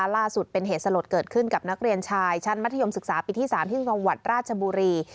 ล่าสุดเป็นเหตุสลดเกิดขึ้นกับนักเรียนชายชั้นมัธยมศึกษาปีที่๓ที่จังหวัดราชบุรี